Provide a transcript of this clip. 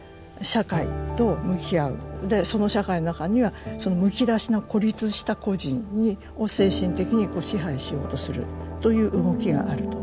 でその社会の中にはそのむき出しの孤立した個人を精神的に支配しようとするという動きがあると。